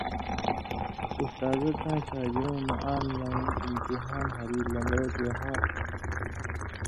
اُستازہ تاں شاگڑؤں نہ آن لائن انتحام ہَری لمبرہ دے ہاں تھو ۔